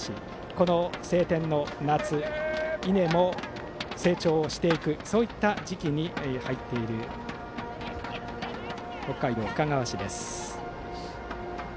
この晴天の夏稲も成長をしていくそういった時期に入っている北海道深川市です。